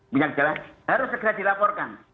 banyak jelas harus segera dilaporkan